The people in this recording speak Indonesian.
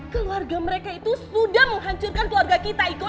keluarga mereka itu sudah menghancurkan keluarga kita